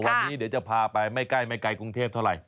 วันนี้เดี๋ยวจะพาไปไม่ใกล้ไม่ไกลกรุงเทพเท่าไหร